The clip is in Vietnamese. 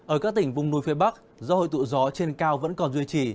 ở các tỉnh vùng núi phía bắc do hội tụ gió trên cao vẫn còn duy trì